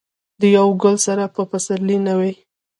د یو ګل سره به پسرلی نه وي.